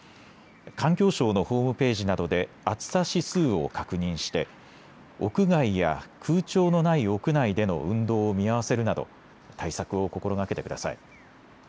環境省のホームページなどで暑さ指数を確認して屋外や空調のない屋内での運動を見合わせるなど対策を心がけてください。